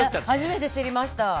初めて知りました。